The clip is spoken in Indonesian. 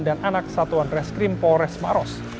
dan anak satuan reskrim polres maros